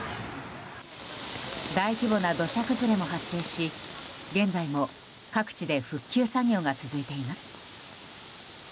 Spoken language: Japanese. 大規模な土砂崩れも発生し現在も各地で復旧作業が続いています。